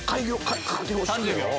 ３０秒。